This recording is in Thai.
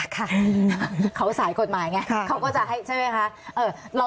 ค่ะเขาสายกฎหมายไงเขาก็จะให้ใช่ไหมคะ